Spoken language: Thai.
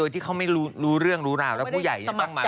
ทำเพื่ออะไร